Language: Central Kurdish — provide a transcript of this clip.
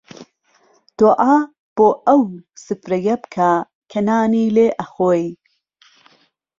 دوعا بۆ ئەو سفرەیە بکە، کەنانی لێ ئەخۆیی